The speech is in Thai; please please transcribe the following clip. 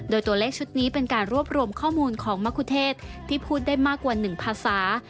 โดยตัวเลขชุดนี้เป็นการรวบรวมข้อมูลของมะคุเทศที่พูดได้มากกว่า๑ภาษา